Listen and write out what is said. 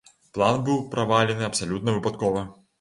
План быў правалены абсалютна выпадкова.